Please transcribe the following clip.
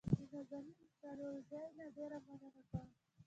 د نازنین سالارزي نه ډېره مننه کوم.